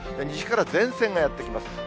西から前線がやって来ます。